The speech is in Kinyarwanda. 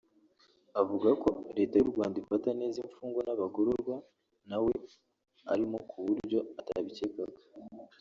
avuga ko Leta y’u Rwanda ifata neza imfungwa n’abagororwa na we ari mo ku buryo atabikekaga